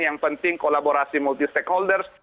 yang penting kolaborasi multi stakeholders